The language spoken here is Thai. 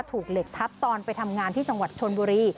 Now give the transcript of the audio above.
ถูกเหล็กทับตอนไปทำงานที่จังหวัดชนบุรี